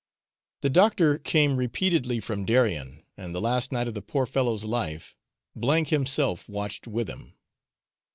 The doctor came repeatedly from Darien, and the last night of the poor fellow's life himself watched with him.